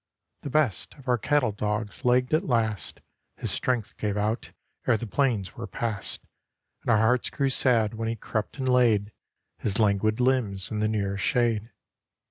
The best of our cattle dogs lagged at last, His strength gave out ere the plains were passed, And our hearts grew sad when he crept and laid His languid limbs in the nearest shade.